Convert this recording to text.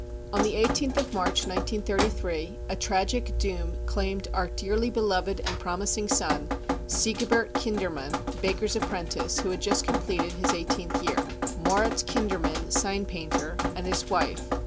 On the 1 8th of March 1933, a tragic doom claimed our dearly beloved and promising son, SIEGBERT KINDERMANN, baker's apprentice, who had just completed his 1 8th year. Moritz Kindermann, Sign Painter, and his wife.